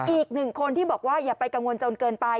อีกหนึ่งคนที่บอกว่าอย่าไปกังวลจนเกินไป